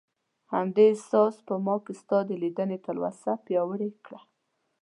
همدې احساس په ما کې ستا د لیدنې تلوسه پیاوړې کړه.